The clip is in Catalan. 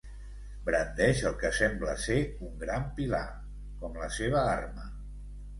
Brandeix el que sembla ser un gran pilar, com la seva arma.